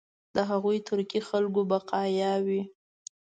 د هغو ترکي خلکو بقایا وي.